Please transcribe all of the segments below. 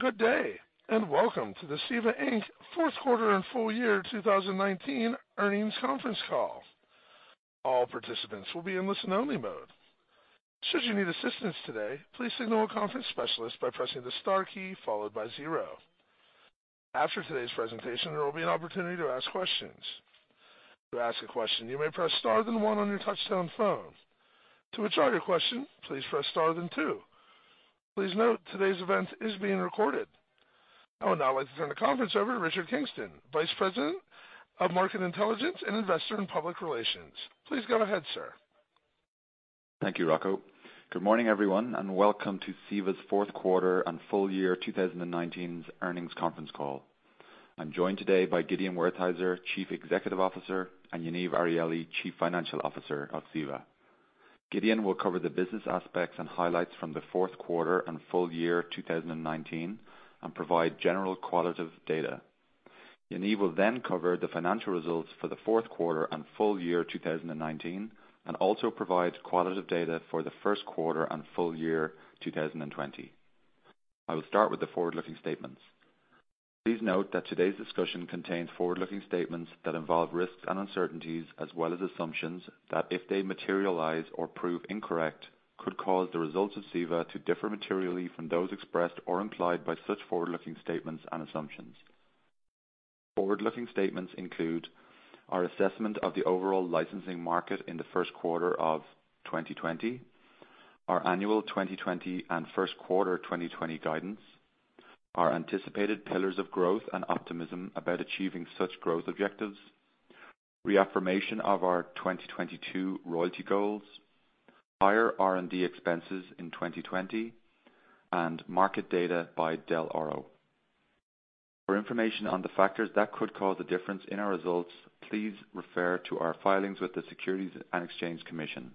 Good day, and welcome to the CEVA Inc. fourth quarter and full year 2019 earnings conference call. All participants will be in listen only mode. Should you need assistance today, please signal a conference specialist by pressing the star key followed by zero. After today's presentation, there will be an opportunity to ask questions. To ask a question, you may press star then one on your touchtone phone. To withdraw your question, please press star then two. Please note, today's event is being recorded. I would now like to turn the conference over to Richard Kingston, Vice President of Market Intelligence and Investor and Public Relations. Please go ahead, sir. Thank you, Rocco. Good morning, everyone, and welcome to CEVA's fourth quarter and full year 2019's earnings conference call. I'm joined today by Gideon Wertheizer, Chief Executive Officer, and Yaniv Arieli, Chief Financial Officer of CEVA. Gideon will cover the business aspects and highlights from the fourth quarter and full year 2019 and provide general qualitative data. Yaniv will then cover the financial results for the fourth quarter and full year 2019 and also provide qualitative data for the first quarter and full year 2020. I will start with the forward-looking statements. Please note that today's discussion contains forward-looking statements that involve risks and uncertainties, as well as assumptions that, if they materialize or prove incorrect, could cause the results of CEVA to differ materially from those expressed or implied by such forward-looking statements and assumptions. Forward-looking statements include our assessment of the overall licensing market in the first quarter of 2020, our annual 2020 and first quarter 2020 guidance, our anticipated pillars of growth and optimism about achieving such growth objectives, reaffirmation of our 2022 royalty goals, higher R&D expenses in 2020, and market data by Dell'Oro. For information on the factors that could cause a difference in our results, please refer to our filings with the Securities and Exchange Commission.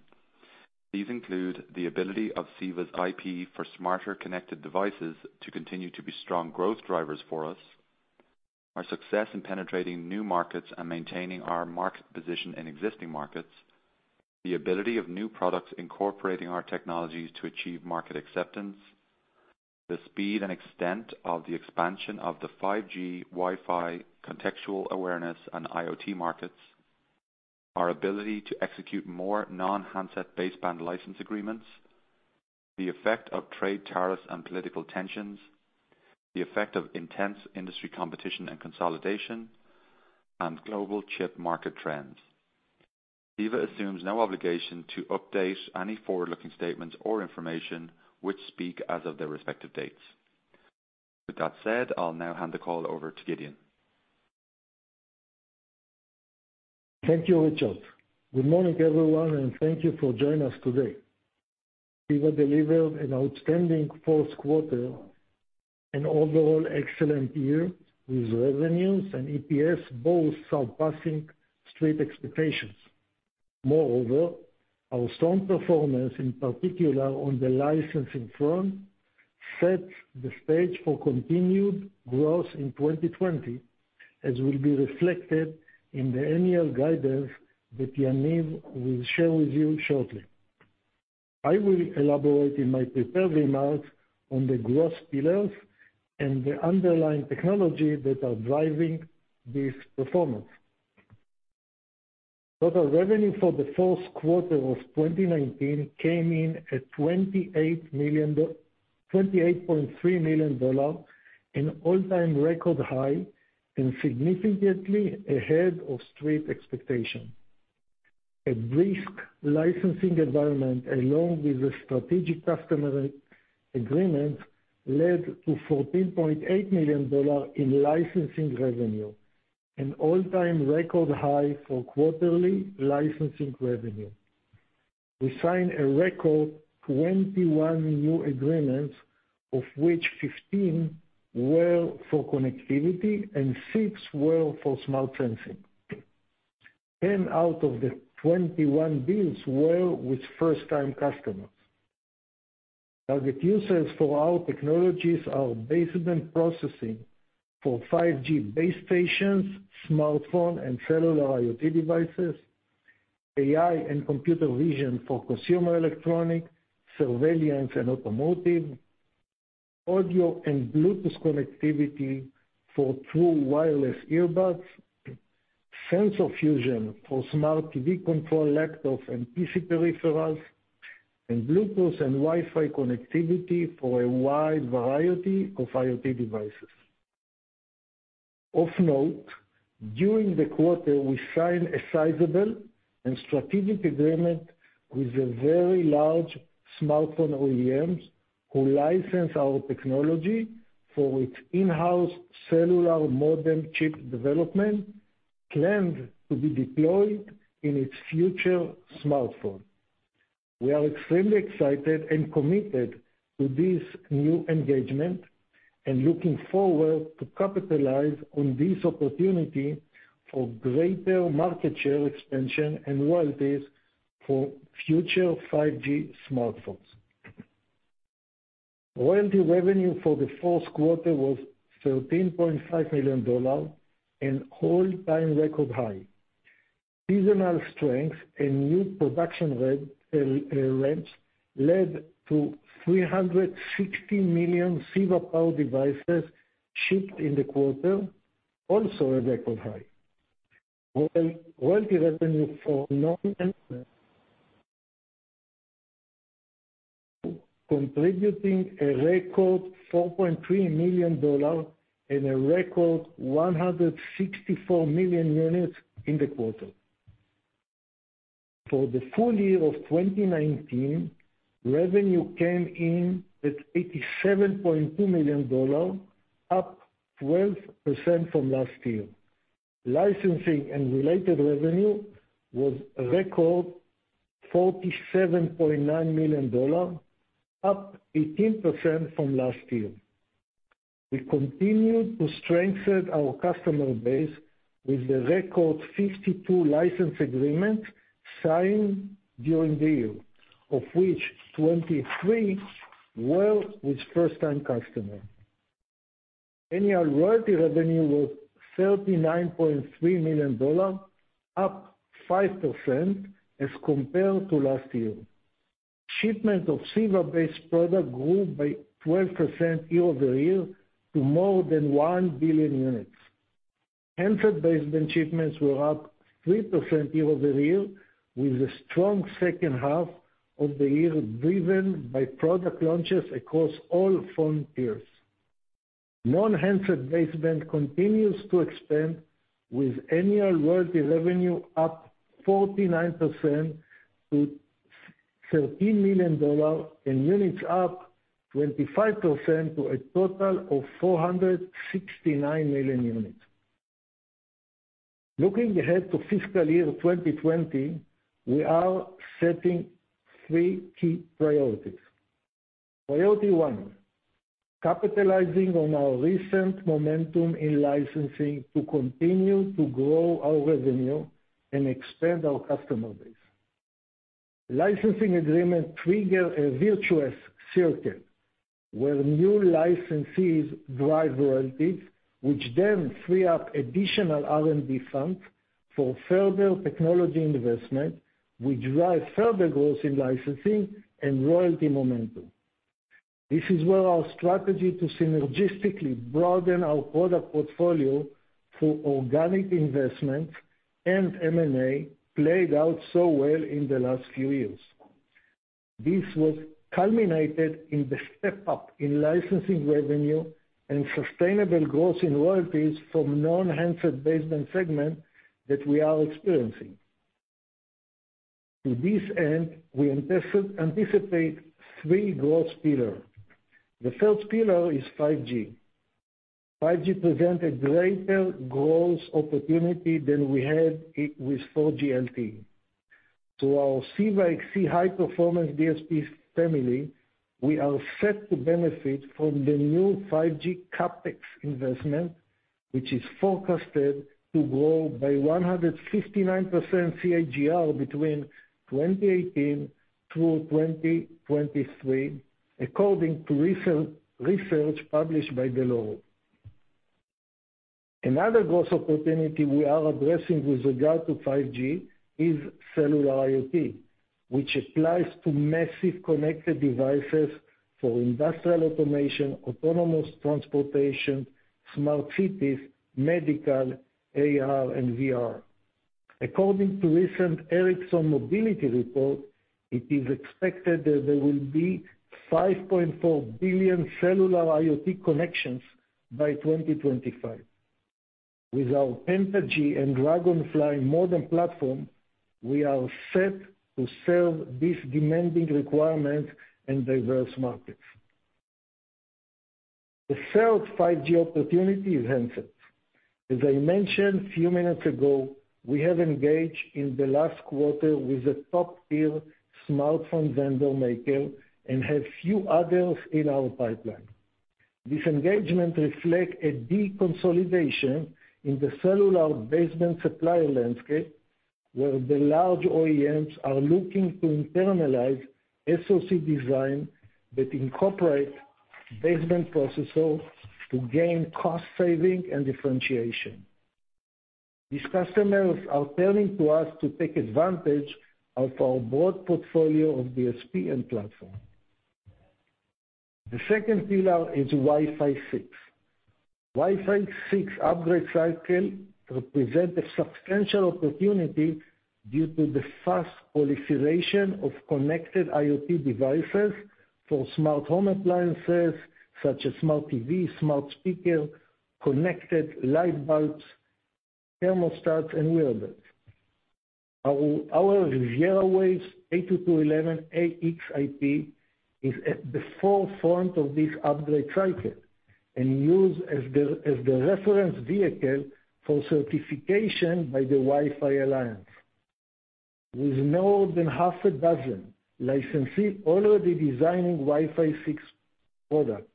These include the ability of CEVA's IP for smarter connected devices to continue to be strong growth drivers for us, our success in penetrating new markets and maintaining our market position in existing markets, the ability of new products incorporating our technologies to achieve market acceptance, the speed and extent of the expansion of the 5G, Wi-Fi, contextual awareness, and IoT markets, our ability to execute more non-handset baseband license agreements, the effect of trade tariffs and political tensions, the effect of intense industry competition and consolidation, and global chip market trends. CEVA assumes no obligation to update any forward-looking statements or information, which speak as of their respective dates. With that said, I'll now hand the call over to Gideon. Thank you, Richard. Good morning, everyone, and thank you for joining us today. CEVA delivered an outstanding fourth quarter and overall excellent year, with revenues and EPS both surpassing Street expectations. Our strong performance, in particular on the licensing front, sets the stage for continued growth in 2020, as will be reflected in the annual guidance that Yaniv will share with you shortly. I will elaborate in my prepared remarks on the growth pillars and the underlying technology that are driving this performance. Total revenue for the fourth quarter of 2019 came in at $28.3 million, an all-time record high and significantly ahead of Street expectation. A brisk licensing environment, along with the strategic customer agreements, led to $14.8 million in licensing revenue, an all-time record high for quarterly licensing revenue. We signed a record 21 new agreements, of which 15 were for connectivity and six were for smart sensing. 10 out of the 21 deals were with first-time customers. Target users for our technologies are baseband processing for 5G base stations, smartphone, and cellular IoT devices, AI and computer vision for consumer electronics, surveillance, and automotive, audio and Bluetooth connectivity for true wireless earbuds, sensor fusion for smart TV control, laptops, and PC peripherals, and Bluetooth and Wi-Fi connectivity for a wide variety of IoT devices. Of note, during the quarter, we signed a sizable and strategic agreement with a very large smartphone OEMs who license our technology for its in-house cellular modem chip development planned to be deployed in its future smartphone. We are extremely excited and committed to this new engagement and looking forward to capitalize on this opportunity for greater market share expansion and royalties for future 5G smartphones. Royalty revenue for the fourth quarter was $13.5 million, an all-time record high. Seasonal strength and new production ramps led to 360 million CEVA-Power devices shipped in the quarter, also a record high. Royalty revenue for non- contributing a record $4.3 million and a record 164 million units in the quarter. For the full year of 2019, revenue came in at $87.2 million, up 12% from last year. Licensing and related revenue was a record $47.9 million, up 18% from last year. We continued to strengthen our customer base with a record 52 license agreements signed during the year, of which 23 were with first-time customer. Annual royalty revenue was $39.3 million, up 5% as compared to last year. Shipment of CEVA-based product grew by 12% year-over-year to more than 1 billion units. Handset-based shipments were up 3% year over year with a strong second half of the year, driven by product launches across all phone tiers. Non-handset-based business continues to expand, with annual royalty revenue up 49% to $13 million, and units up 25% to a total of 469 million units. Looking ahead to fiscal year 2020, we are setting three key priorities. Priority one, capitalizing on our recent momentum in licensing to continue to grow our revenue and expand our customer base. Licensing agreement trigger a virtuous circuit, where new licensees drive royalties, which then free up additional R&D funds for further technology investment, which drive further growth in licensing and royalty momentum. This is where our strategy to synergistically broaden our product portfolio through organic investment and M&A played out so well in the last few years. This was culminated in the step-up in licensing revenue and sustainable growth in royalties from non-handset-based band segment that we are experiencing. To this end, we anticipate three growth pillar. The first pillar is 5G. 5G present a greater growth opportunity than we had it with 4G LTE. To our CEVA-XC high-performance DSP family, we are set to benefit from the new 5G CapEx investment, which is forecasted to grow by 159% CAGR between 2018 through 2023, according to research published by Dell'Oro. Another growth opportunity we are addressing with regard to 5G is cellular IoT, which applies to massive connected devices for industrial automation, autonomous transportation, smart cities, medical, AR, and VR. According to recent Ericsson Mobility Report, it is expected that there will be 5.4 billion cellular IoT connections by 2025. With our PentaG and Dragonfly modem platform, we are set to serve this demanding requirement in diverse markets. The third 5G opportunity is handsets. As I mentioned a few minutes ago, we have engaged in the last quarter with a top-tier smartphone vendor maker and have few others in our pipeline. This engagement reflects a de-consolidation in the cellular baseband supply landscape, where the large OEMs are looking to internalize SoC design that incorporate baseband processor to gain cost saving and differentiation. These customers are turning to us to take advantage of our broad portfolio of DSP and platform. The second pillar is Wi-Fi 6. Wi-Fi 6 upgrade cycle represent a substantial opportunity due to the fast proliferation of connected IoT devices for smart home appliances such as smart TV, smart speaker, connected light bulbs, thermostats, and wearables. Our RivieraWaves 802.11ax IP is at the forefront of this upgrade cycle and used as the reference vehicle for certification by the Wi-Fi Alliance. With more than half a dozen licensee already designing Wi-Fi 6 product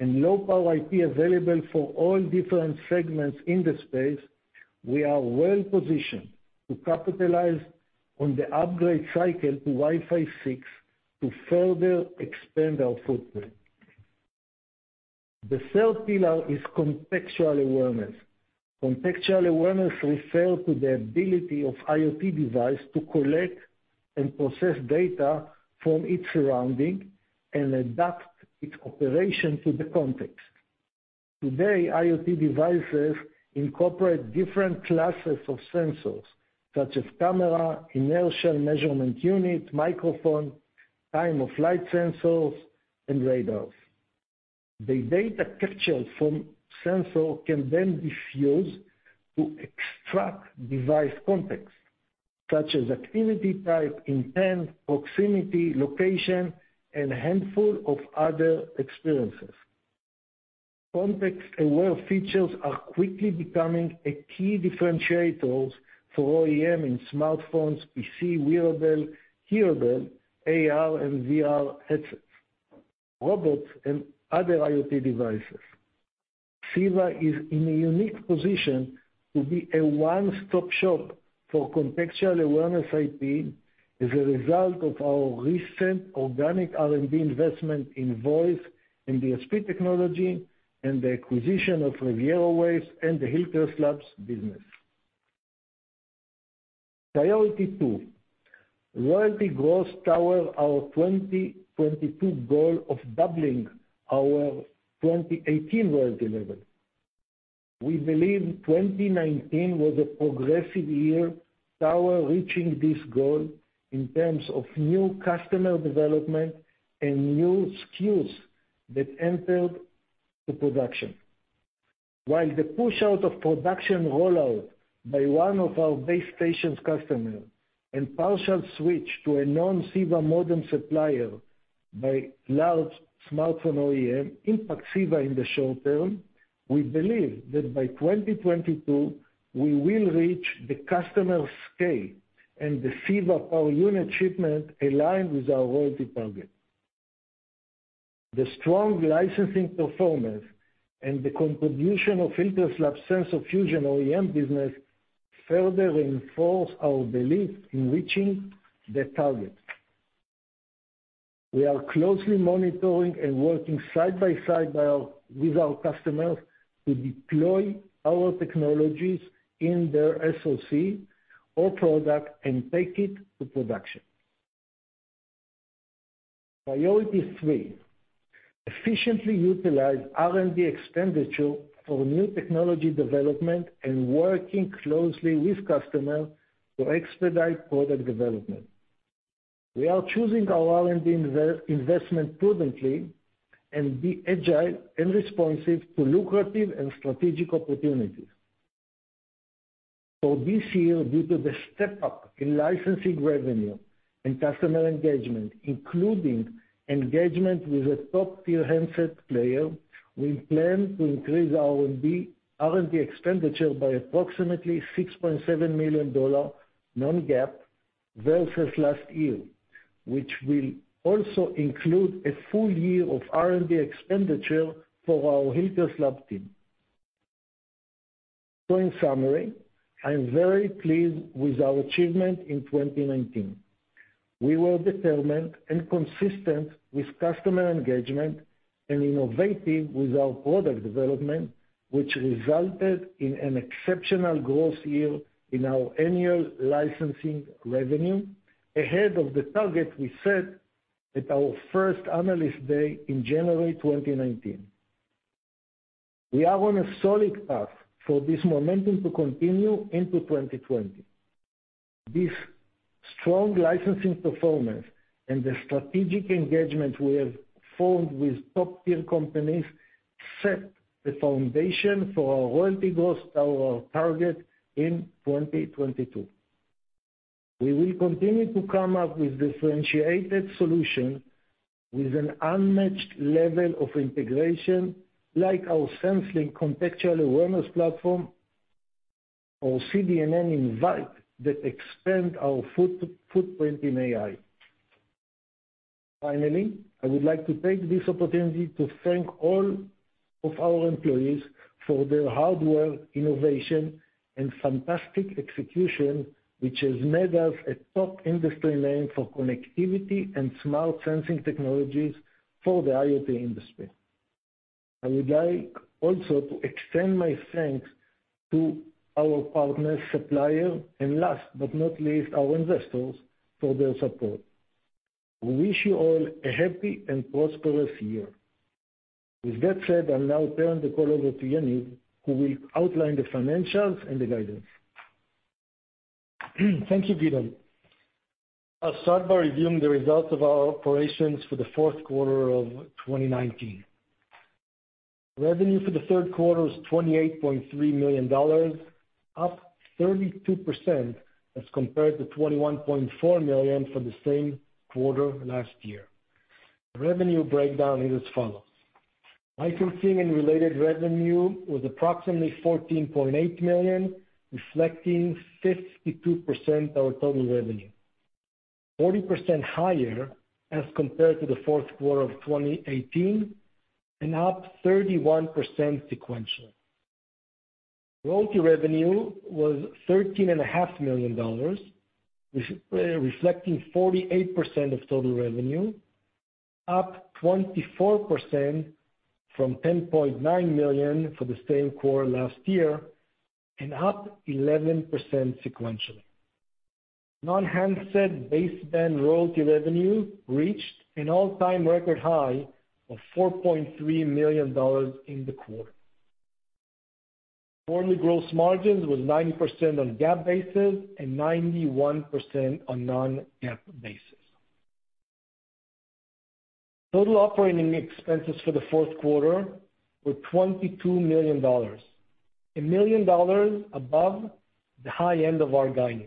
and low-power IP available for all different segments in the space, we are well positioned to capitalize on the upgrade cycle to Wi-Fi 6 to further expand our footprint. The third pillar is contextual awareness. Contextual awareness refers to the ability of IoT device to collect and process data from its surrounding and adapt its operation to the context. Today, IoT devices incorporate different classes of sensors such as camera, inertial measurement unit, microphone, time-of-flight sensors, and radars. The data captured from sensor can then be fused to extract device context, such as activity type, intent, proximity, location, and a handful of other experiences. Context-aware features are quickly becoming a key differentiator for OEM in smartphones, PC, wearable, hearable, AR and VR headsets, robots, and other IoT devices. CEVA is in a unique position to be a one-stop shop for contextual awareness IP as a result of our recent organic R&D investment in voice, in DSP technology, and the acquisition of RivieraWaves and the Hillcrest Labs business. Priority two, royalty growth toward our 2022 goal of doubling our 2018 royalty level. We believe 2019 was a progressive year toward reaching this goal in terms of new customer development and new SKUs that entered to production. While the push out of production rollout by one of our base stations customer and partial switch to a non-CEVA modem supplier by large smartphone OEM impact CEVA in the short term, we believe that by 2022, we will reach the customer scale and the CEVA power unit shipment aligned with our royalty target. The strong licensing performance and the contribution of Hillcrest Labs sensor fusion OEM business further reinforce our belief in reaching the target. We are closely monitoring and working side by side with our customers to deploy our technologies in their SoC or product and take it to production. Priority three, efficiently utilize R&D expenditure for new technology development and working closely with customer to expedite product development. We are choosing our R&D investment prudently and be agile and responsive to lucrative and strategic opportunities. For this year, due to the step-up in licensing revenue and customer engagement, including engagement with a top-tier handset player, we plan to increase our R&D expenditure by approximately $6.7 million non-GAAP versus last year, which will also include a full year of R&D expenditure for our Hillcrest Labs team. In summary, I am very pleased with our achievement in 2019. We were determined and consistent with customer engagement and innovative with our product development, which resulted in an exceptional growth year in our annual licensing revenue, ahead of the target we set at our first Analyst Day in January 2019. We are on a solid path for this momentum to continue into 2020. This strong licensing performance and the strategic engagement we have formed with top-tier companies set the foundation for our royalty growth to our target in 2022. We will continue to come up with differentiated solution with an unmatched level of integration, like our SenslinQ contextual awareness platform or CDNN in NeuPro that expand our footprint in AI. Finally, I would like to take this opportunity to thank all of our employees for their hard work, innovation, and fantastic execution, which has made us a top industry name for connectivity and smart sensing technologies for the IoT industry. I would like also to extend my thanks to our partners, suppliers, and last but not least, our investors for their support. We wish you all a happy and prosperous year. With that said, I'll now turn the call over to Yaniv, who will outline the financials and the guidance. Thank you, Gideon. I'll start by reviewing the results of our operations for the fourth quarter of 2019. Revenue for the third quarter was $28.3 million, up 32% as compared to $21.4 million for the same quarter last year. Revenue breakdown is as follows: licensing and related revenue was approximately $14.8 million, reflecting 52% our total revenue, 40% higher as compared to the fourth quarter of 2018, and up 31% sequentially. Royalty revenue was $13.5 million, reflecting 48% of total revenue, up 24% from $10.9 million for the same quarter last year, and up 11% sequentially. Non-handset baseband royalty revenue reached an all-time record high of $4.3 million in the quarter. Core net gross margins was 90% on GAAP basis and 91% on non-GAAP basis. Total operating expenses for the fourth quarter were $22 million, $1 million above the high end of our guidance,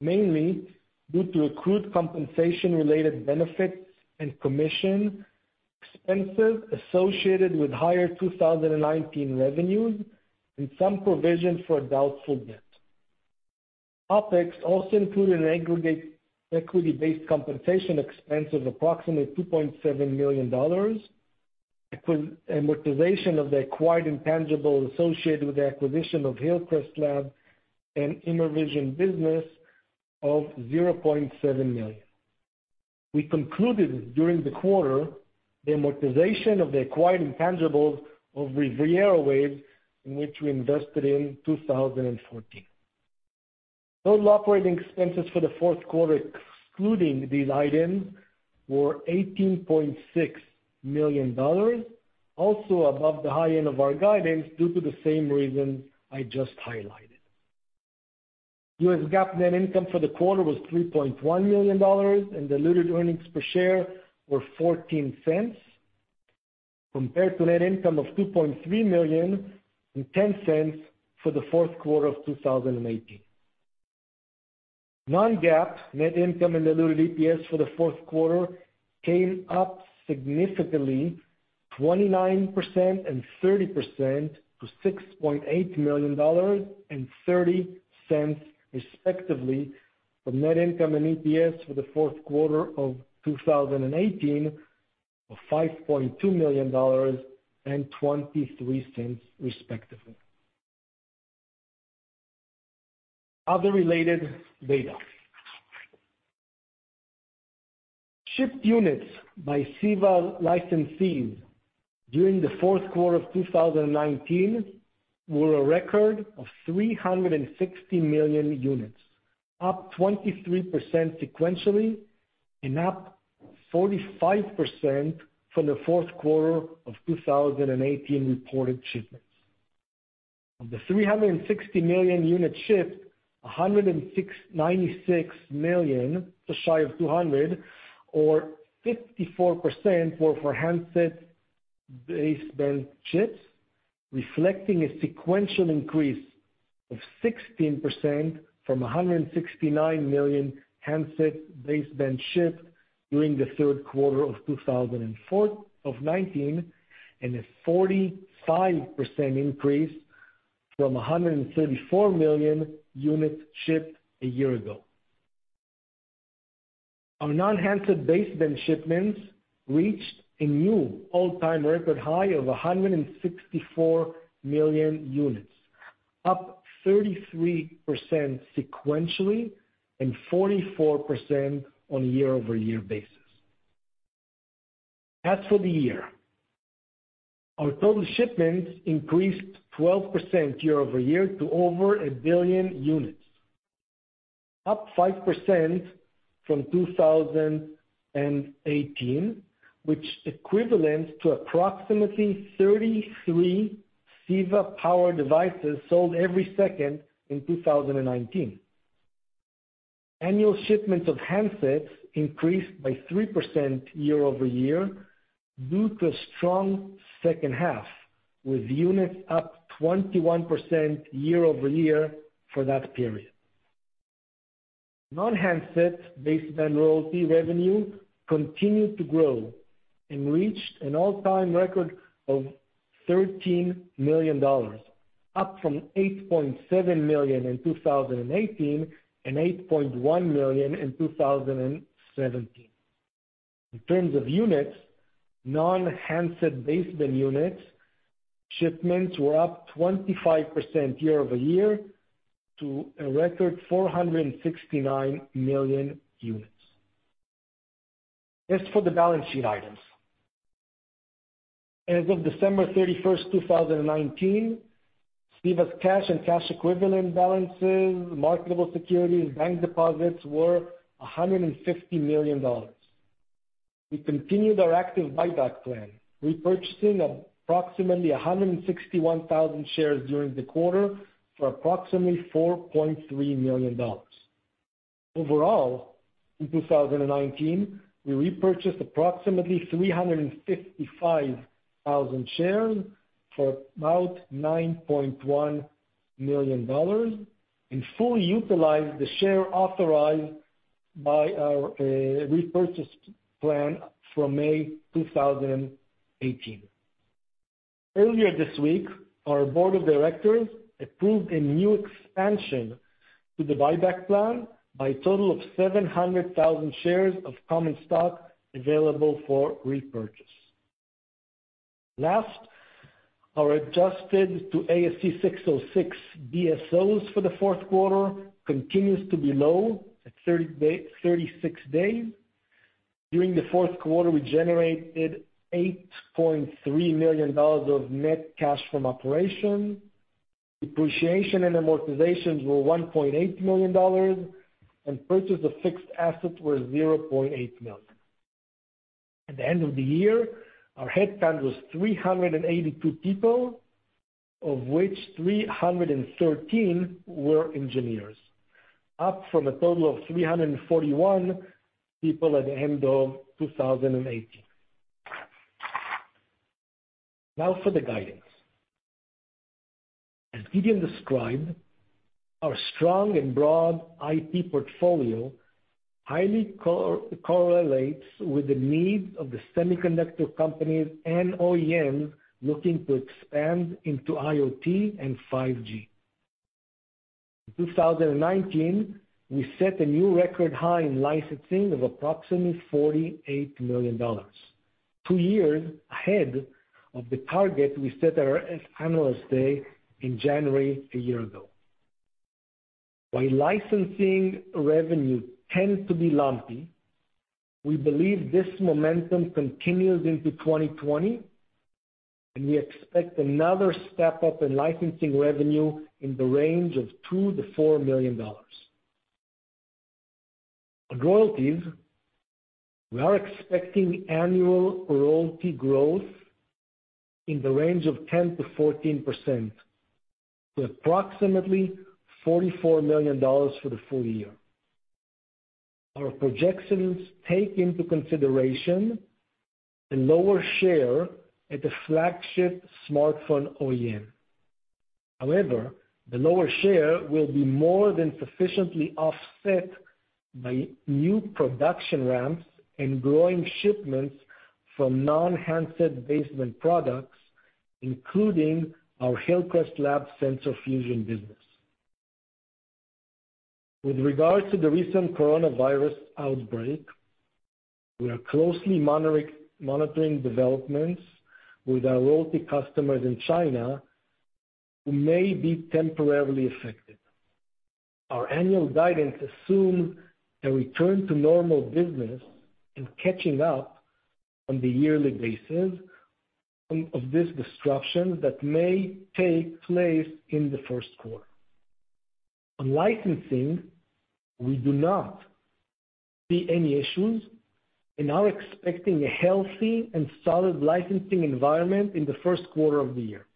mainly due to accrued compensation related benefits and commission expenses associated with higher 2019 revenues and some provision for doubtful debt. OpEx also included an aggregate equity-based compensation expense of approximately $2.7 million, amortization of the acquired intangibles associated with the acquisition of Hillcrest Labs and Immervision business of $0.7 million. We concluded during the quarter the amortization of the acquired intangibles of RivieraWaves, in which we invested in 2014. Total operating expenses for the fourth quarter, excluding these items, were $18.6 million, also above the high end of our guidance due to the same reason I just highlighted. US GAAP net income for the quarter was $3.1 million, and diluted earnings per share were $0.14, compared to net income of $2.3 million and $0.10 for the fourth quarter of 2018. Non-GAAP net income and diluted EPS for the fourth quarter came up significantly 29% and 30% to $6.8 million and $0.30 respectively, from net income and EPS for the fourth quarter of 2018 of $5.2 million and $0.23 respectively. Other related data. Shipped units by CEVA licensees during the fourth quarter of 2019 were a record of 360 million units, up 23% sequentially and up 45% from the fourth quarter of 2018 reported shipments. Of the 360 million units shipped, 196 million, just shy of 200, or 54%, were for handset baseband chips, reflecting a sequential increase of 16% from 169 million handset baseband shipped during the third quarter of 2019, and a 45% increase from 134 million units shipped a year ago. Our non-handset baseband shipments reached a new all-time record high of 164 million units, up 33% sequentially and 44% on a year-over-year basis. As for the year, our total shipments increased 12% year-over-year to over 1 billion units, up 5% from 2018, which equates to approximately 33 CEVA power devices sold every second in 2019. Annual shipments of handsets increased by 3% year-over-year due to a strong second half, with units up 21% year-over-year for that period. Non-handset baseband royalty revenue continued to grow and reached an all-time record of $13 million, up from $8.7 million in 2018 and $8.1 million in 2017. In terms of units, non-handset baseband units shipments were up 25% year-over-year to a record 469 million units. As for the balance sheet items, as of December 31st, 2019, CEVA's cash and cash equivalent balances, marketable securities, bank deposits were $150 million. We continued our active buyback plan, repurchasing approximately 161,000 shares during the quarter for approximately $4.3 million. Overall, in 2019, we repurchased approximately 355,000 shares for about $9.1 million and fully utilized the share authorized by our repurchase plan from May 2018. Earlier this week, our board of directors approved a new expansion to the buyback plan by a total of 700,000 shares of common stock available for repurchase. Last, our adjusted to ASC 606 DSOs for the fourth quarter continues to be low at 36 days. During the fourth quarter, we generated $8.3 million of net cash from operation. Depreciation and amortizations were $1.8 million, and purchase of fixed assets were $0.8 million. At the end of the year, our headcount was 382 people, of which 313 were engineers, up from a total of 341 people at the end of 2018. Now for the guidance. As Gideon described, our strong and broad IP portfolio highly correlates with the needs of the semiconductor companies and OEMs looking to expand into IoT and 5G. In 2019, we set a new record high in licensing of approximately $48 million, two years ahead of the target we set at our analyst day in January a year ago. While licensing revenue tends to be lumpy, we believe this momentum continues into 2020. We expect another step up in licensing revenue in the range of $2 million-$4 million. On royalties, we are expecting annual royalty growth in the range of 10%-14%, to approximately $44 million for the full year. Our projections take into consideration the lower share at the flagship smartphone OEM. The lower share will be more than sufficiently offset by new production ramps and growing shipments from non-handset-based products, including our Hillcrest Labs sensor fusion business. With regards to the recent coronavirus outbreak, we are closely monitoring developments with our royalty customers in China who may be temporarily affected. Our annual guidance assume a return to normal business and catching up on the yearly basis of this disruption that may take place in the first quarter. On licensing, we do not see any issues and are expecting a healthy and solid licensing environment in the first quarter of the year.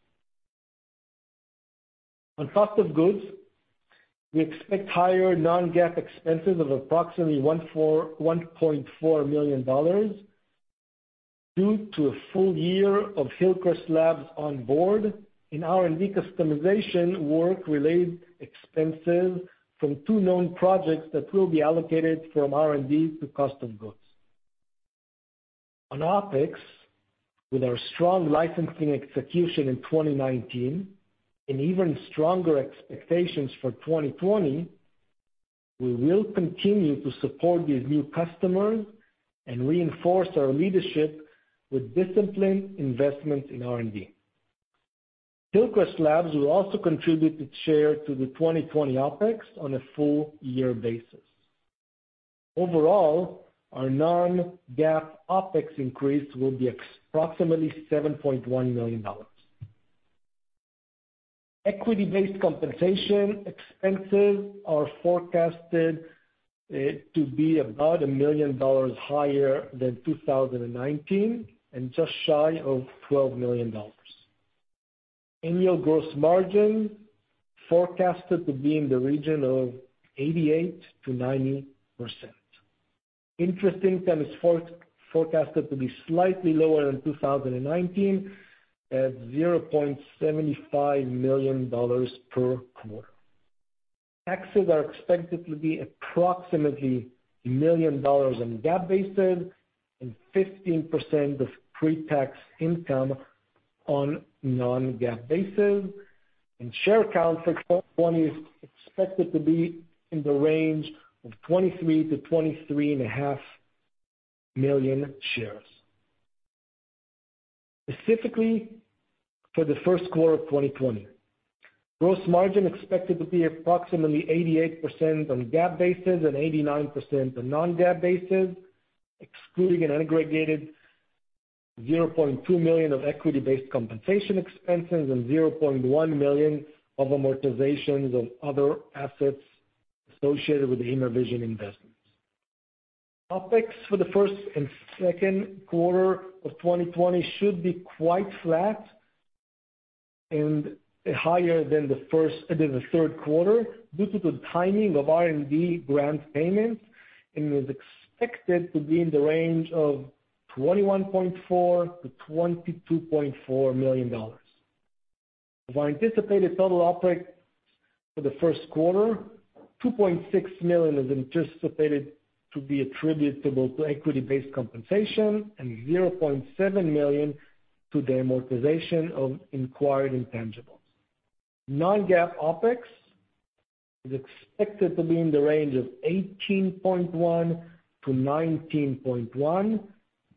On cost of goods, we expect higher non-GAAP expenses of approximately $1.4 million due to a full year of Hillcrest Labs on board and R&D customization work-related expenses from two known projects that will be allocated from R&D to custom goods. On OpEx, with our strong licensing execution in 2019 and even stronger expectations for 2020, we will continue to support these new customers and reinforce our leadership with disciplined investment in R&D. Hillcrest Labs will also contribute its share to the 2020 OpEx on a full year basis. Overall, our non-GAAP OpEx increase will be approximately $7.1 million. Equity-based compensation expenses are forecasted to be about $1 million higher than 2019 and just shy of $12 million. Annual gross margin forecasted to be in the region of 88%-90%. Interest income is forecasted to be slightly lower than 2019 at $0.75 million per quarter. Taxes are expected to be approximately $1 million on GAAP basis and 15% of pre-tax income on non-GAAP basis. Share count for is expected to be in the range of 23 million-23.5 million shares. Specifically for the first quarter of 2020, gross margin expected to be approximately 88% on GAAP basis and 89% on non-GAAP basis, excluding an aggregated $0.2 million of equity-based compensation expenses and $0.1 million of amortizations of other assets associated with the Immervision investments. OpEx for the first and second quarter of 2020 should be quite flat and higher than the third quarter due to the timing of R&D grant payments, is expected to be in the range of $21.4 million-$22.4 million. Of our anticipated total OpEx for the first quarter, $2.6 million is anticipated to be attributable to equity-based compensation and $0.7 million is to the amortization of acquired intangibles. non-GAAP OpEx is expected to be in the range of $18.1 million-$19.1 million,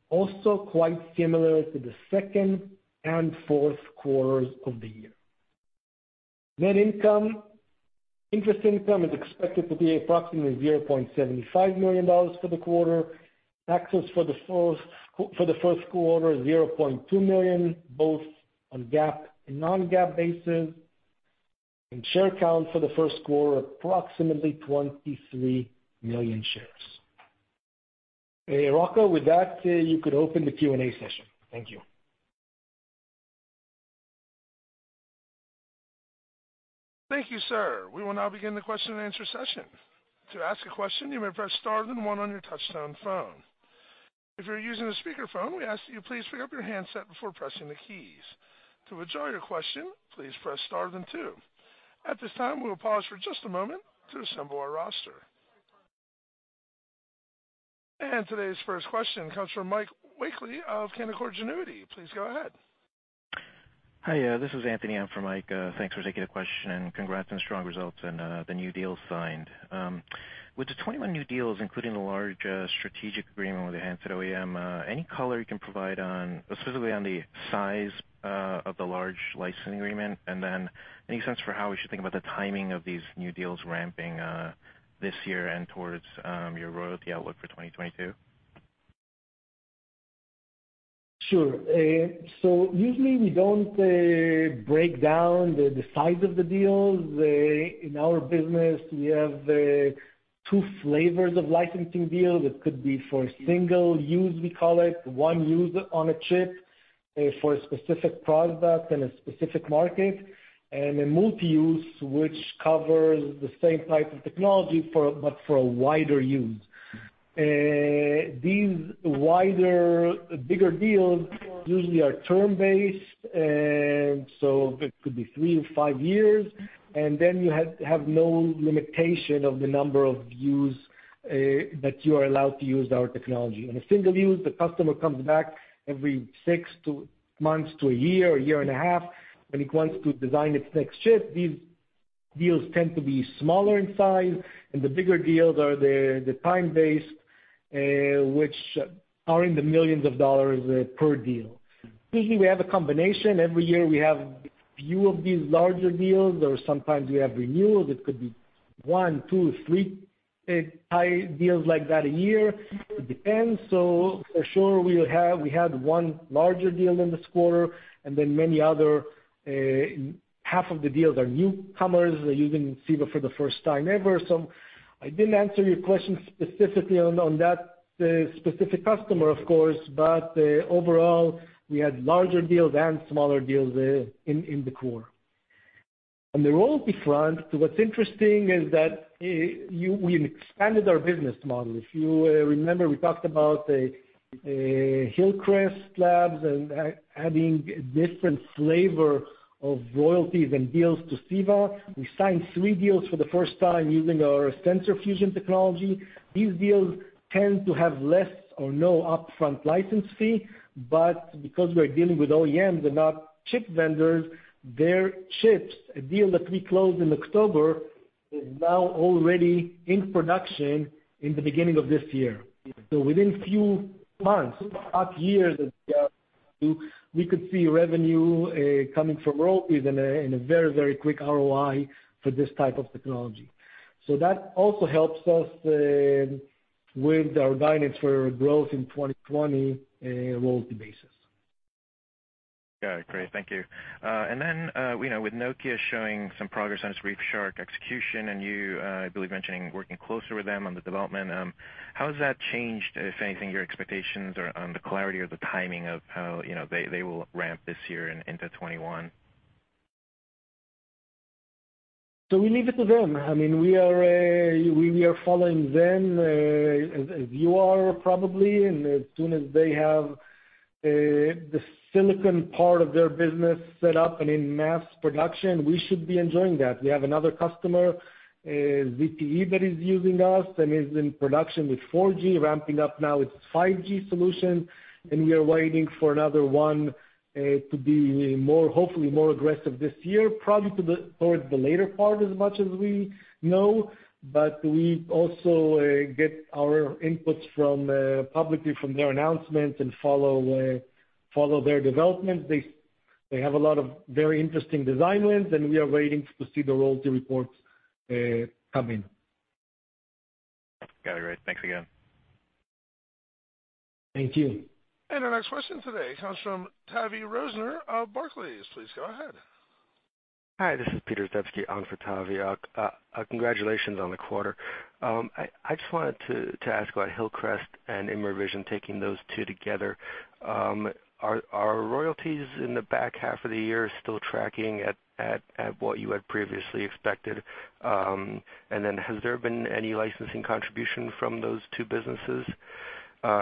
also quite similar to the second and fourth quarters of the year. Interest income is expected to be approximately $0.75 million for the quarter. Taxes for the first quarter, $0.2 million, both on GAAP and non-GAAP basis. Share count for the first quarter, approximately 23 million shares. Hey, Rocco, with that, you could open the Q&A session. Thank you. Thank you, sir. We will now begin the question and answer session. To ask a question, you may press star then 1 on your touchtone phone. If you're using a speakerphone, we ask that you please pick up your handset before pressing the keys. To withdraw your question, please press star then 2. At this time, we will pause for just a moment to assemble our roster. Today's first question comes from Mike Walkley of Canaccord Genuity. Please go ahead. Hi, this is Anthony in for Mike. Thanks for taking the question, and congrats on strong results and the new deals signed. With the 21 new deals, including the large strategic agreement with the handset OEM, any color you can provide specifically on the size of the large licensing agreement? Any sense for how we should think about the timing of these new deals ramping this year and towards your royalty outlook for 2022? Sure. Usually we don't break down the size of the deals. In our business, we have two flavors of licensing deals. It could be for a single use, we call it, one use on a chip for a specific product in a specific market, and a multi-use, which covers the same type of technology but for a wider use. These wider, bigger deals usually are term-based, it could be three to five years, then you have no limitation of the number of use that you are allowed to use our technology. In a single use, the customer comes back every six months to a year year, or year and a half, when it wants to design its next chip. These deals tend to be smaller in size, the bigger deals are the time-based, which are in the millions of dollars per deal. Usually, we have a combination. Every year, we have a few of these larger deals, or sometimes we have renewals. It could be one, two, three high deals like that a year. It depends. For sure, we had one larger deal in this quarter and then many other, half of the deals are newcomers. They're using CEVA for the first time ever. I didn't answer your question specifically on that specific customer, of course, but overall, we had larger deals and smaller deals in the quarter. On the royalty front, what's interesting is that we expanded our business model. If you remember, we talked about Hillcrest Labs and adding a different flavor of royalties and deals to CEVA. We signed three deals for the first time using our sensor fusion technology. These deals tend to have less or no upfront license fee. Because we're dealing with OEMs and not chip vendors, their chips, a deal that we closed in October, is now already in production in the beginning of this year. Within few months, half year that we could see revenue coming from royalties in a very quick ROI for this type of technology. That also helps us with our guidance for growth in 2020 royalty basis. Got it. Great. Thank you. With Nokia showing some progress on its ReefShark execution and you, I believe, mentioning working closer with them on the development, how has that changed, if anything, your expectations or on the clarity or the timing of how they will ramp this year into 2021? We leave it to them. We are following them, as you are probably, and as soon as they have the silicon part of their business set up and in mass production, we should be enjoying that. We have another customer, ZTE, that is using us and is in production with 4G, ramping up now its 5G solution. We are waiting for another one to be hopefully more aggressive this year, probably towards the later part, as much as we know. We also get our inputs publicly from their announcements and follow their development. They have a lot of very interesting designs, and we are waiting to see the royalty reports come in. Got it. Great. Thanks again. Thank you. Our next question today comes from Tavy Rosner of Barclays. Please go ahead. Hi, this is Peter Zdebski on for Tavy. Congratulations on the quarter. I just wanted to ask about Hillcrest and Immervision, taking those two together. Are royalties in the back half of the year still tracking at what you had previously expected? Has there been any licensing contribution from those two businesses? As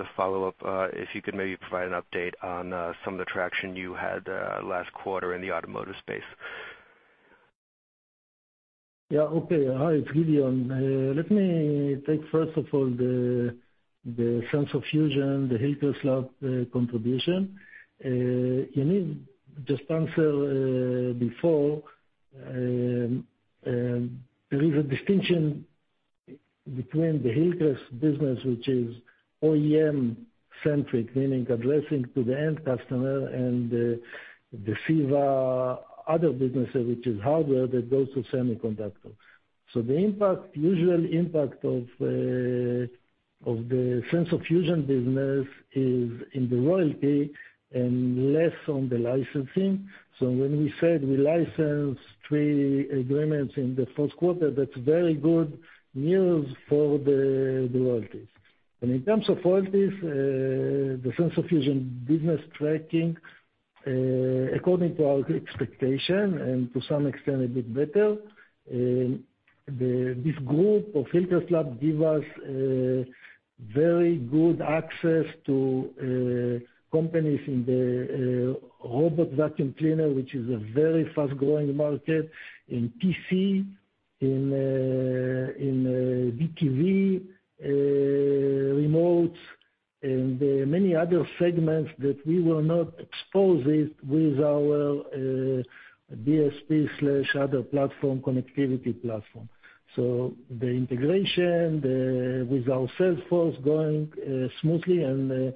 a follow-up, if you could maybe provide an update on some of the traction you had last quarter in the automotive space. Yeah. Okay. Hi, it's Gideon. Let me take, first of all, the sensor fusion, the Hillcrest Labs contribution. You need just answer before, there is a distinction between the Hillcrest business, which is OEM-centric, meaning addressing to the end customer, and the CEVA other business, which is hardware that goes to semiconductors. The usual impact of the sensor fusion business is in the royalty and less on the licensing. When we said we licensed three agreements in the first quarter, that's very good news for the royalties. In terms of royalties, the sensor fusion business tracking, according to our expectation and to some extent, a bit better. This group of Hillcrest Labs give us very good access to companies in the robot vacuum cleaner, which is a very fast-growing market, in PC, in BTV, remotes, and many other segments that we will not expose it with our DSP/other platform connectivity platform. The integration with our sales force going smoothly, and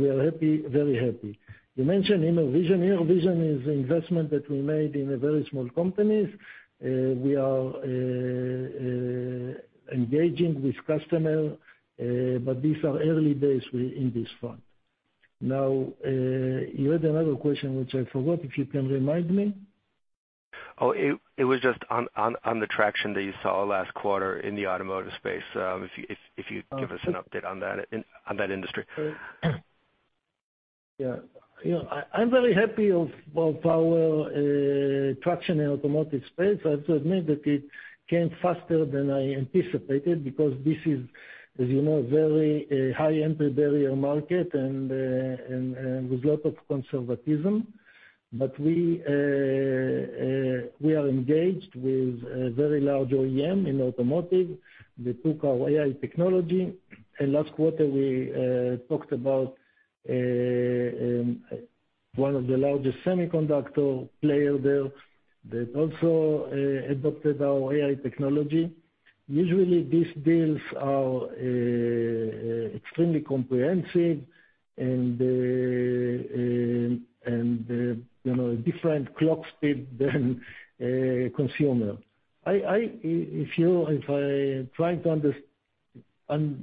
we are very happy. You mentioned Immervision. Immervision is investment that we made in a very small companies. We are engaging with customer, but these are early days in this front. You had another question, which I forgot, if you can remind me. It was just on the traction that you saw last quarter in the automotive space. If you could give us an update on that industry. Yeah. I'm very happy of our traction in automotive space. I have to admit that it came faster than I anticipated because this is, as you know, very high entry barrier market and with lot of conservatism. We are engaged with a very large OEM in automotive. They took our AI technology. Last quarter, we talked about one of the largest semiconductor player there that also adopted our AI technology. Usually, these deals are extremely comprehensive and different clock speed than consumer. If I try to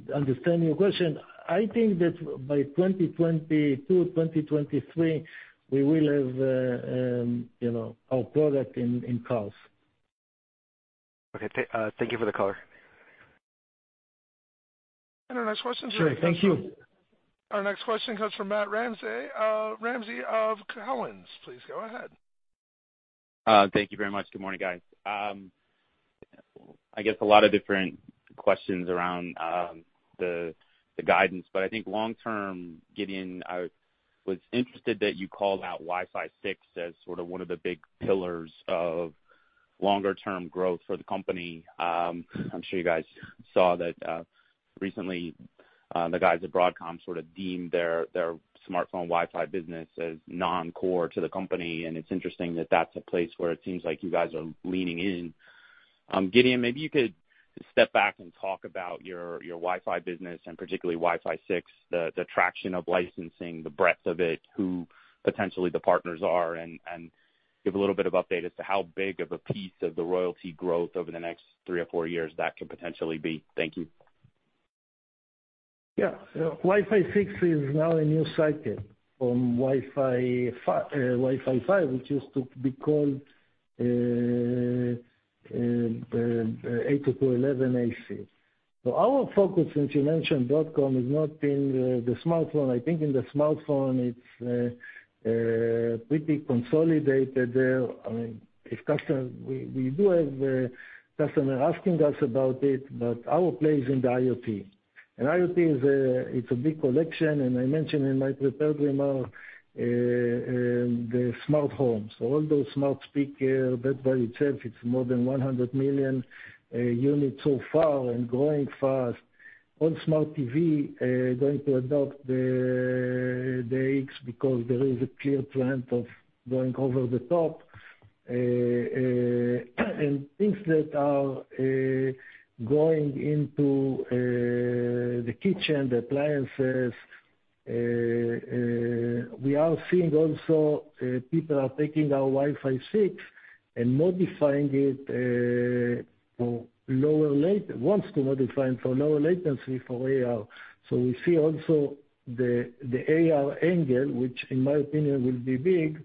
understand your question, I think that by 2022, 2023, we will have our product in cars. Okay. Thank you for the color. Our next question comes from- Sure. Thank you. Our next question comes from Matt Ramsay of Cowen. Please go ahead. Thank you very much. Good morning, guys. I think long term, Gideon, I was interested that you called out Wi-Fi 6 as sort of one of the big pillars of longer term growth for the company. I'm sure you guys saw that recently, the guys at Broadcom sort of deemed their smartphone Wi-Fi business as non-core to the company, and it's interesting that that's a place where it seems like you guys are leaning in. Gideon, maybe you could step back and talk about your Wi-Fi business and particularly Wi-Fi 6, the traction of licensing, the breadth of it, who potentially the partners are, and give a little bit of update as to how big of a piece of the royalty growth over the next three or four years that could potentially be. Thank you. Yeah. Wi-Fi 6 is now a new cycle from Wi-Fi 5, which used to be called 802.11ac. Our focus, since you mentioned Broadcom, has not been the smartphone. I think in the smartphone, it's pretty consolidated there. We do have customer asking us about it, but our play is in the IoT. IoT, it's a big collection, and I mentioned in my prepared remark, the smart home. All those smart speaker, that by itself, it's more than 100 million units so far and growing fast. All smart TV going to adopt the 8s because there is a clear trend of going over the top, and things that are going into the kitchen, the appliances. We are seeing also people are taking our Wi-Fi 6 and Wants to modify for lower latency for AR. We see also the AR angle, which in my opinion will be big,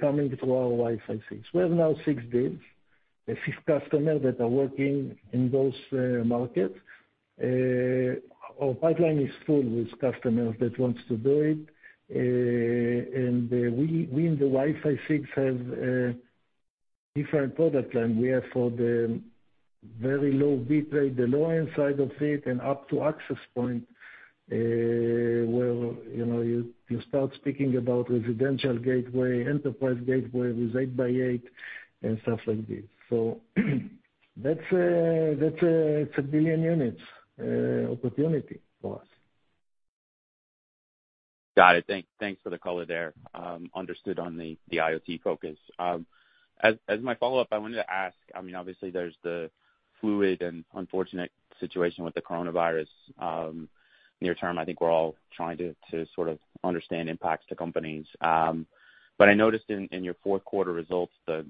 coming to our Wi-Fi 6. We have now six deals with six customers that are working in those markets. Our pipeline is full with customers that wants to do it. We in the Wi-Fi 6 have different product line. We have for the very low bitrate, the lower inside of it, and up to access point, where you start speaking about residential gateway, enterprise gateway with 8 by 8, and stuff like this. That's a 1 billion units opportunity for us. Got it. Thanks for the color there. Understood on the IoT focus. As my follow-up, I wanted to ask, obviously, there's the fluid and unfortunate situation with the coronavirus. Near term, I think we're all trying to sort of understand impacts to companies. I noticed in your fourth quarter results, the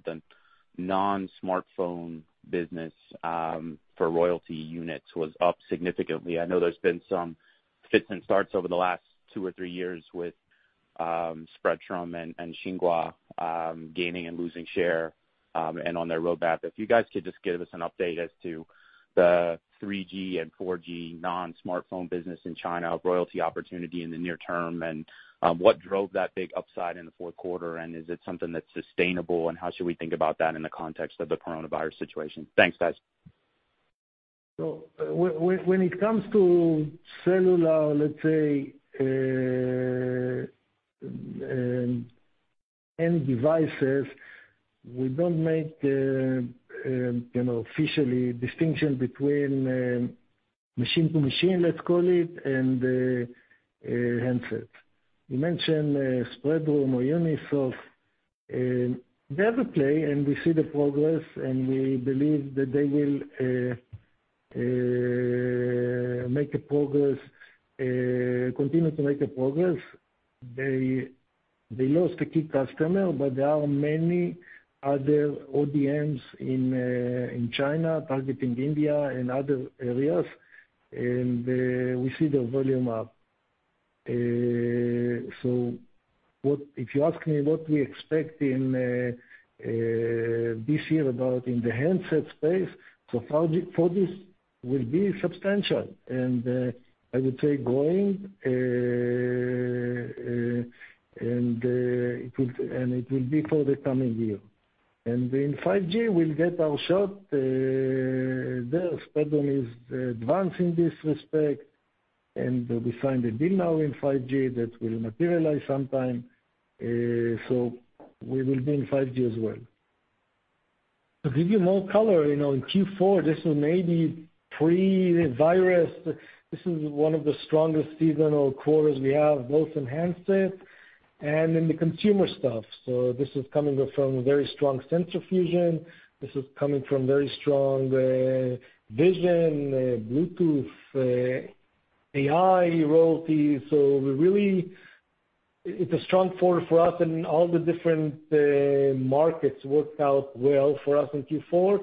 non-smartphone business for royalty units was up significantly. I know there's been some fits and starts over the last two or three years with Spreadtrum and Tsinghua gaining and losing share, and on their roadmap. If you guys could just give us an update as to the 3G and 4G non-smartphone business in China, royalty opportunity in the near term, and what drove that big upside in the fourth quarter, and is it something that's sustainable, and how should we think about that in the context of the coronavirus situation? Thanks, guys. When it comes to cellular, let's say, end devices, we don't make officially distinction between machine-to-machine, let's call it, and handsets. You mentioned Spreadtrum or Unisoc, they have a play, and we see the progress, and we believe that they will continue to make progress. They lost a key customer, but there are many other ODMs in China, targeting India and other areas. We see the volume up. If you ask me what we expect this year in the handset space, 4G will be substantial, and I would say growing, and it will be for the coming year. In 5G, we'll get our shot. Spreadtrum is advancing this respect, and we signed a deal now in 5G that will materialize sometime. We will be in 5G as well. To give you more color, in Q4, this was maybe pre-virus. This is one of the strongest seasonal quarters we have, both in handsets and in the consumer stuff. This is coming from very strong sensor fusion. This is coming from very strong vision, Bluetooth, AI royalties. It's a strong quarter for us, and all the different markets worked out well for us in Q4.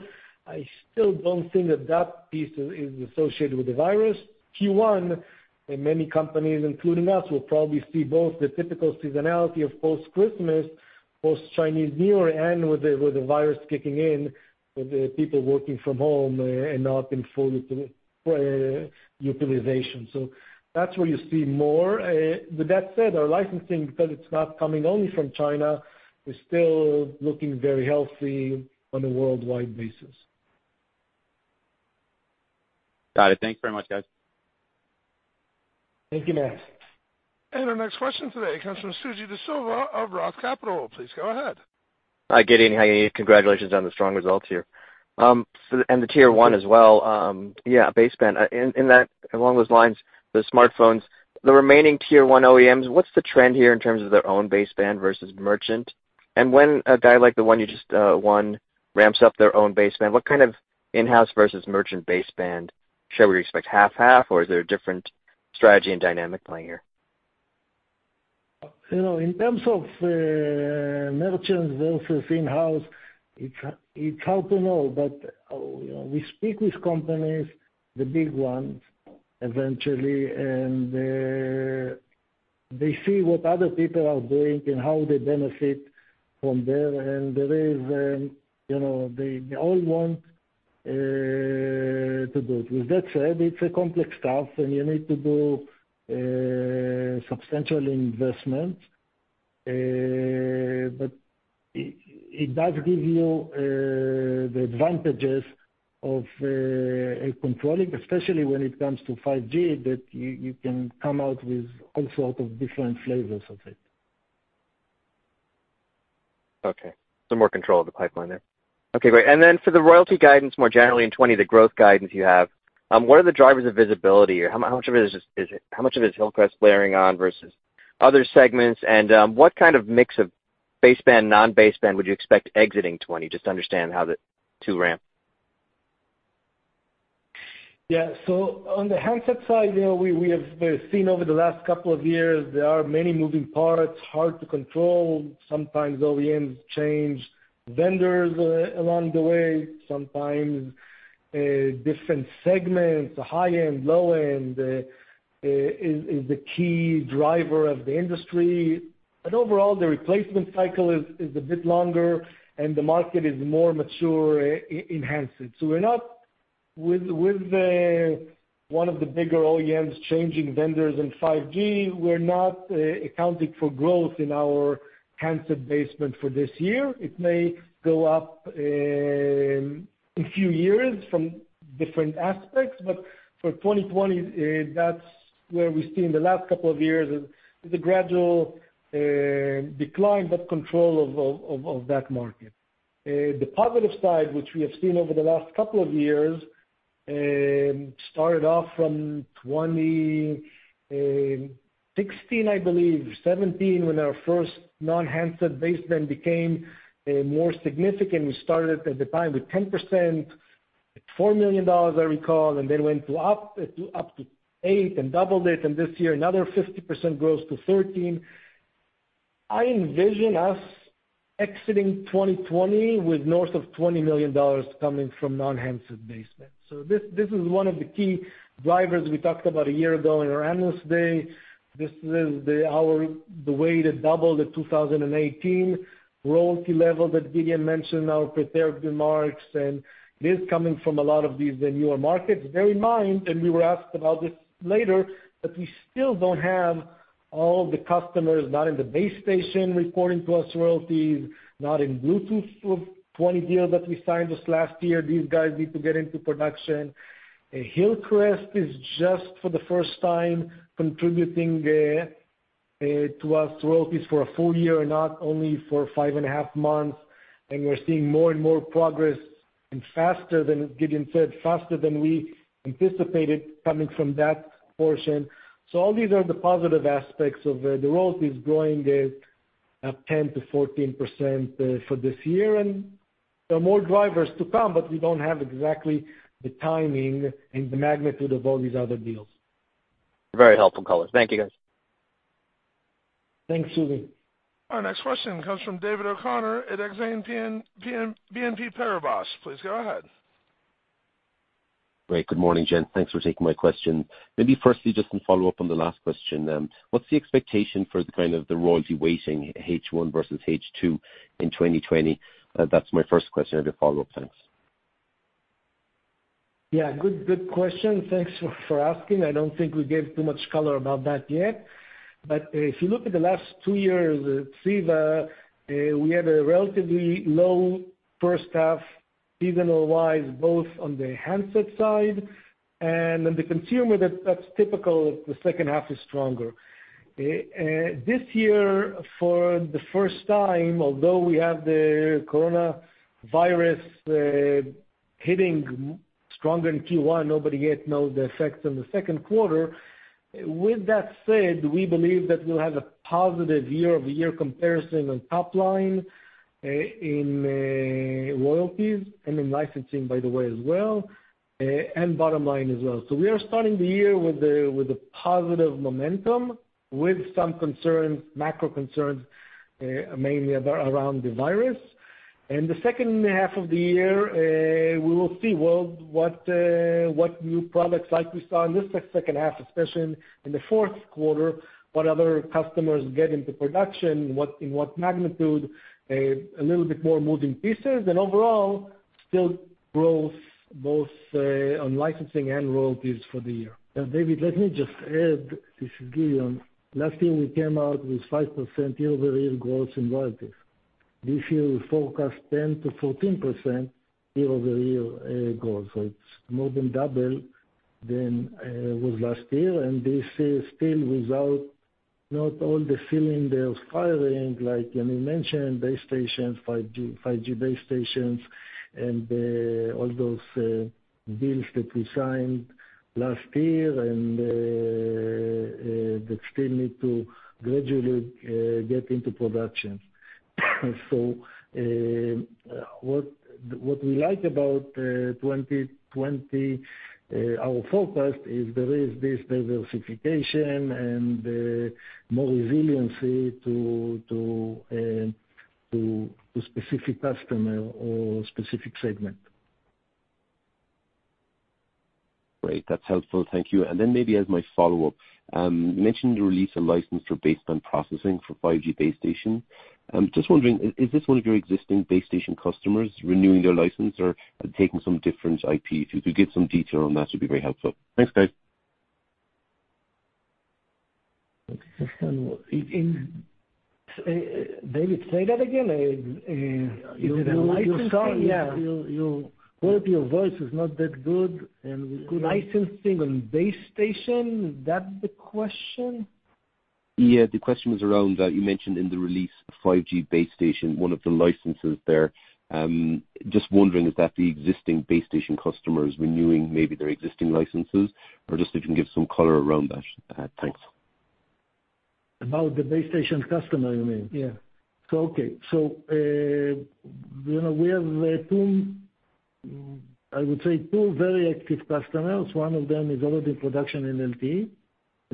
I still don't think that that piece is associated with the virus. Q1, and many companies, including us, will probably see both the typical seasonality of post-Christmas, post-Chinese New Year, and with the virus kicking in, with people working from home and not in full utilization. That's where you see more. With that said, our licensing, because it's not coming only from China, is still looking very healthy on a worldwide basis. Got it. Thanks very much, guys. Thank you, Matt Our next question today comes from Suji De Silva of Roth Capital. Please go ahead. Hi, Gideon. Congratulations on the strong results here. The Tier 1 as well. Yeah, baseband. Along those lines, the smartphones, the remaining Tier 1 OEMs, what's the trend here in terms of their own baseband versus merchant? When a guy like the one you just won ramps up their own baseband, what kind of in-house versus merchant baseband should we expect, half-half, or is there a different strategy and dynamic playing here? In terms of merchants versus in-house, it's hard to know. We speak with companies, the big ones, eventually, and they see what other people are doing and how they benefit from there. They all want to do it. With that said, it's a complex stuff, and you need to do substantial investment. It does give you the advantages of controlling, especially when it comes to 5G, that you can come out with all sorts of different flavors of it. Okay. Some more control of the pipeline there. Okay, great. For the royalty guidance, more generally in 2020, the growth guidance you have, what are the drivers of visibility? How much of it is Hillcrest layering on versus other segments? What kind of mix of baseband, non-baseband would you expect exiting 2020, just to understand how the two ramp? Yeah. On the handset side, we have seen over the last couple of years, there are many moving parts, hard to control. Sometimes OEMs change vendors along the way, sometimes different segments, high-end, low-end, is the key driver of the industry. Overall, the replacement cycle is a bit longer, and the market is more mature in handsets. One of the bigger OEMs changing vendors in 5G, we're not accounting for growth in our handset baseband for this year. It may go up in a few years from different aspects, but for 2020, that's where we've seen the last couple of years, the gradual decline but control of that market. The positive side, which we have seen over the last couple of years, started off from 2016, I believe, 2017, when our first non-handset baseband became more significant. We started at the time with 10%, at $4 million, I recall, and then went up to eight and doubled it. This year, another 50% growth to 13. I envision us exiting 2020 with north of $20 million coming from non-handset baseband. This is one of the key drivers we talked about a year ago in our Analyst Day. This is the way to double the 2018 royalty level that Gideon mentioned in our prepared remarks. This coming from a lot of these newer markets. Bear in mind, we were asked about this later, we still don't have all the customers, not in the base station reporting to us royalties, not in Bluetooth with 20 deals that we signed just last year. These guys need to get into production. Hillcrest is just for the first time contributing to us royalties for a full year, not only for five and a half months. We're seeing more and more progress and, as Gideon said, faster than we anticipated coming from that portion. All these are the positive aspects of the royalties growing at 10%-14% for this year. There are more drivers to come, but we don't have exactly the timing and the magnitude of all these other deals. Very helpful colors. Thank you, guys. Thanks, Suji. Our next question comes from David O'Connor at Exane BNP Paribas. Please go ahead. Great. Good morning, gents. Thanks for taking my question. Maybe firstly, just to follow up on the last question. What's the expectation for the royalty weighting H1 versus H2 in 2020? That's my first question. I have a follow-up. Thanks. Yeah, good question. Thanks for asking. I don't think we gave too much color about that yet. If you look at the last two years at CEVA, we had a relatively low first half, seasonal-wise, both on the handset side and on the consumer, that's typical that the second half is stronger. This year, for the first time, although we have the coronavirus hitting stronger in Q1, nobody yet knows the effects in the second quarter. With that said, we believe that we'll have a positive year-over-year comparison on top line in royalties and in licensing, by the way, as well, and bottom line as well. We are starting the year with a positive momentum, with some macro concerns, mainly around the virus. The second half of the year, we will see what new products like we saw in this second half, especially in the fourth quarter, what other customers get into production, in what magnitude, a little bit more moving pieces, and overall, still growth both on licensing and royalties for the year. David, let me just add. This is Gideon. Last year, we came out with 5% year-over-year growth in royalties. This year, we forecast 10%-14% year-over-year growth. It's more than double than it was last year, and this is still without not all the filling, the firing, like Yoni mentioned, base stations, 5G base stations, and all those deals that we signed last year, and they still need to gradually get into production. What we like about 2020, our forecast, is there is this diversification and more resiliency to specific customer or specific segment. Great. That's helpful. Thank you. Maybe as my follow-up, you mentioned the release of license for baseband processing for 5G base station. Just wondering, is this one of your existing base station customers renewing their license or taking some different IP? If you could give some detail on that, it would be very helpful. Thanks, guys. David, say that again. You saw, yeah. The quality of your voice is not that good. Licensing on base station, is that the question? Yeah, the question was around, you mentioned in the release, 5G base station, one of the licenses there. Just wondering if that's the existing base station customers renewing maybe their existing licenses or just if you can give some color around that. Thanks. About the base station customer, you mean? Yeah. Okay. We have, I would say, two very active customers. One of them is already in production in LP.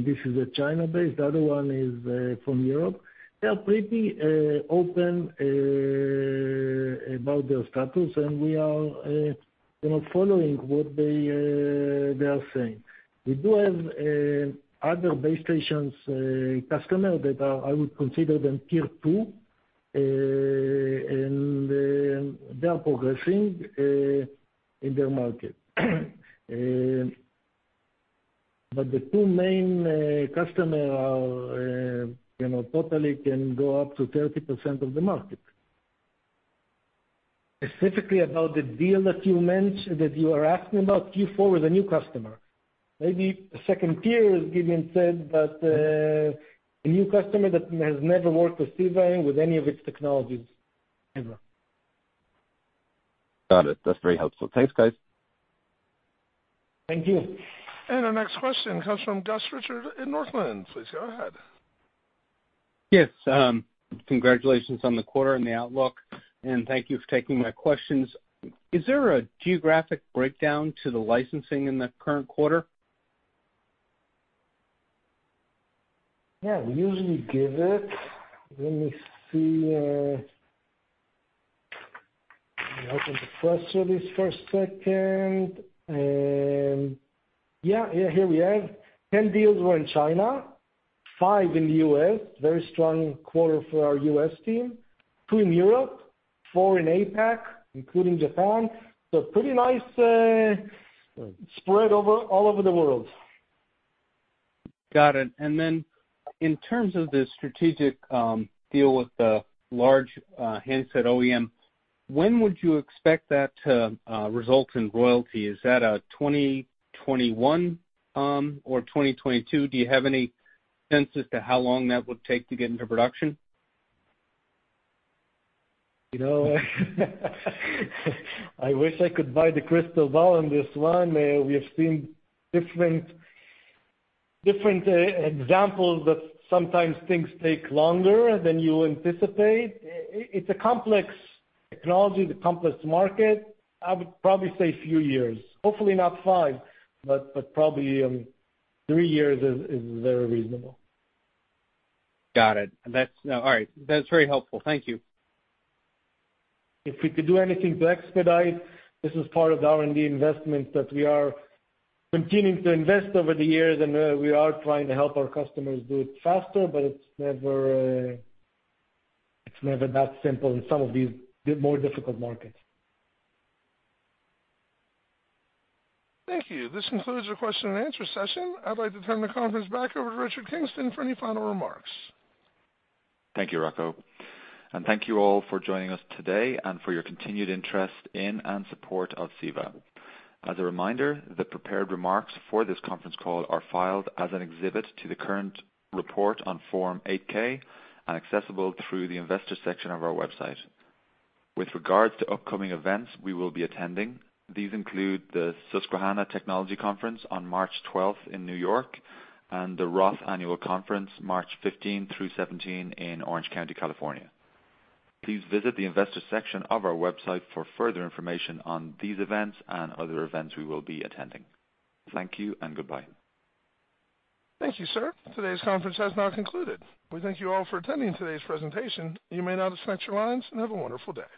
This is China-based. The other one is from Europe. They are pretty open about their status, and we are following what they are saying. We do have other base stations customer that I would consider them tier 2. They are progressing in their market. The two main customer are, totally can go up to 30% of the market. Specifically about the deal that you are asking about, Q4 was a new customer. Maybe 2nd tier, as Gideon said, but a new customer that has never worked with CEVA with any of its technologies, ever. Got it. That's very helpful. Thanks, guys. Thank you. Our next question comes from Gus Richard in Northland. Please go ahead. Yes. Congratulations on the quarter and the outlook, and thank you for taking my questions. Is there a geographic breakdown to the licensing in the current quarter? Yeah, we usually give it. Let me see, open the press release first second. Yeah, here we are. 10 deals were in China, five in the U.S., very strong quarter for our U.S. team. two in Europe, four in APAC, including Japan. Pretty nice spread all over the world. Got it. In terms of the strategic deal with the large handset OEM, when would you expect that to result in royalty? Is that a 2021 or 2022? Do you have any sense as to how long that would take to get into production? I wish I could buy the crystal ball on this one. We have seen different examples that sometimes things take longer than you anticipate. It's a complex technology, it's a complex market. I would probably say a few years. Hopefully not five, but probably three years is very reasonable. Got it. All right. That's very helpful. Thank you. If we could do anything to expedite, this is part of the R&D investment that we are continuing to invest over the years, and we are trying to help our customers do it faster, but it's never that simple in some of these more difficult markets. Thank you. This concludes the question and answer session. I'd like to turn the conference back over to Richard Kingston for any final remarks. Thank you, Rocco. Thank you all for joining us today and for your continued interest in and support of CEVA. As a reminder, the prepared remarks for this conference call are filed as an exhibit to the current report on Form 8-K and accessible through the investors section of our website. With regards to upcoming events we will be attending, these include the Susquehanna Technology Conference on March 12th in New York, and the Roth Annual Conference March 15-17 in Orange County, California. Please visit the investors section of our website for further information on these events and other events we will be attending. Thank you and goodbye. Thank you, sir. Today's conference has now concluded. We thank you all for attending today's presentation. You may now disconnect your lines, and have a wonderful day.